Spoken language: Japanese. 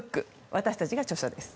私たちが著者です。